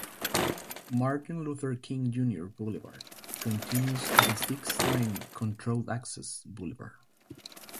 Martin Luther King Junior Boulevard continues as a six-lane controlled-access boulevard.